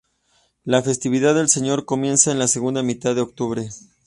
La festividad del Señor, comienza en la segunda mitad de octubre.